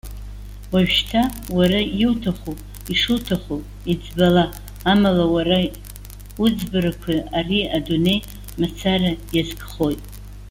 Уажәшьҭа уара иуҭаху, ишыуҭаху, иӡбала, амала уара уӡбарақәа ари адунеи мацара иазкхоит.